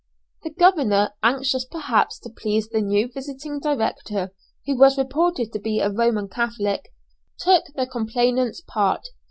The governor, anxious perhaps to please the new visiting director, who was reported to be a Roman Catholic, took the complainant's part.